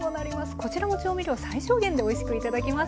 こちらも調味料最小限でおいしく頂けます。